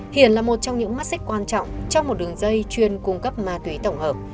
hiển là một trong những mắt xích quan trọng trong một đường dây chuyên cung cấp ma túy tổng hợp